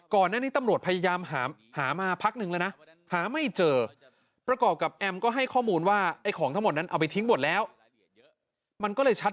ก่อนนั้นที่ตำรวจพยายามหามาพักหนึ่งแล้วนะ